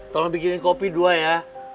tolong bikin kopi dua ya